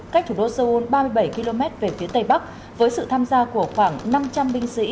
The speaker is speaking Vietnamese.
cách thủ đô seoul ba mươi bảy km về phía tây bắc với sự tham gia của khoảng năm trăm linh binh sĩ